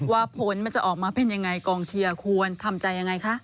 ว่าผลมันจะออกมาเป็นยังไงกองเชียร์ควรทำใจยังไงคะ